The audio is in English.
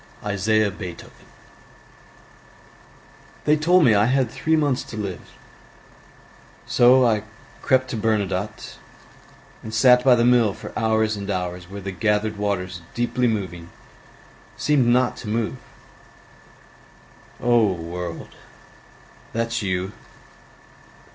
Isaiah Beethoven They told me I had three months to live, So I crept to Bernadotte, And sat by the mill for hours and hours Where the gathered waters deeply moving Seemed not to move: O world, that's you!